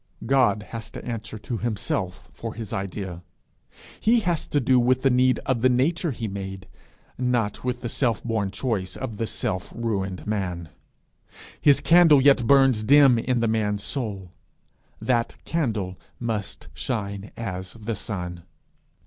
God has to answer to himself for his idea; he has to do with the need of the nature he made, not with the self born choice of the self ruined man. His candle yet burns dim in the man's soul; that candle must shine as the sun.